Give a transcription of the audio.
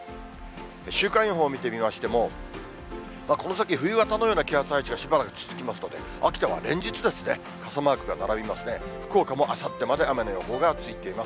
週間予報を見てみましても、この先、冬型のような気圧配置がしばらく続きますので、秋田は連日、傘マークが並びますね、福岡もあさってまで雨の予報がついています。